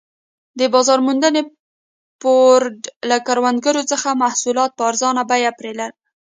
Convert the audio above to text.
د بازار موندنې بورډ له کروندګرو څخه محصولات په ارزانه بیه پېرل.